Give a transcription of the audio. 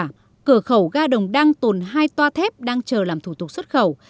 tại cửa khẩu hữu nghị cửa khẩu gà đồng đang tồn hai toa thép đang chờ làm thủ tục xuất khẩu